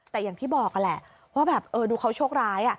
แต่อย่างที่บอกแหละว่าดูเขาโชคร้าย